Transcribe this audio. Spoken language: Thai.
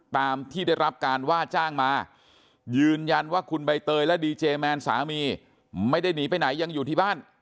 ตามที่ได้รับการว่าจ้างมายืนยันว่าคุณใบเตยและดีเจแมนสามีไม่ได้หนีไปไหนยังอยู่ที่บ้าน